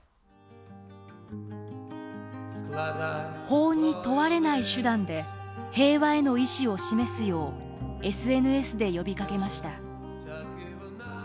法に問われない手段で平和への意思を示すようＳＮＳで呼びかけました。